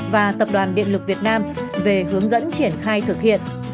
và tập đoàn điện lực việt nam về hướng dẫn triển khai thực hiện